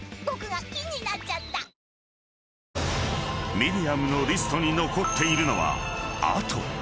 ［ミリアムのリストに残っているのは］